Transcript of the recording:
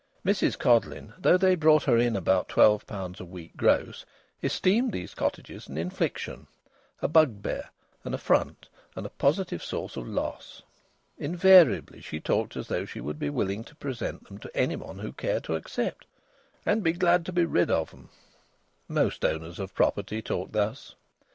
Mrs Codleyn, though they brought her in about twelve pounds a week gross, esteemed these cottages an infliction, a bugbear, an affront, and a positive source of loss. Invariably she talked as though she would willingly present them to anybody who cared to accept "and glad to be rid of 'em!" Most owners of property talk thus.